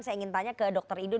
saya ingin tanya ke dr idul